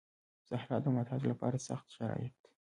صحرا د نباتاتو لپاره سخت شرايط